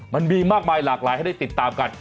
มันมีมากมายหลากหลายให้ได้ติดตามกัน